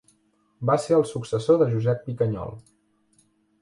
Va ser el successor de Josep Picanyol.